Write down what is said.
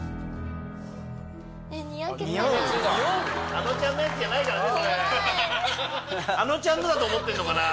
あのちゃんのやつじゃないからね。